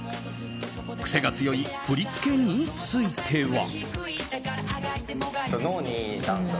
クセが強い振り付けについては。